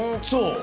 そう！